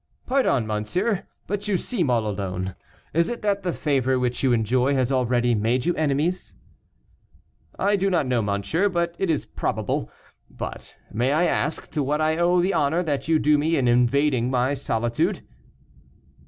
"Pardon, monsieur, but you seem all alone. Is it that the favor which you enjoy has already made you enemies?" "I do not know, monsieur, but it is probable. But, may I ask, to what I owe the honor that you do me in invading my solitude?"